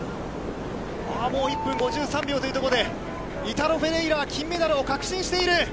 ああ、もう１分５３秒というところで、イタロ・フェレイラは金メダルを確信している。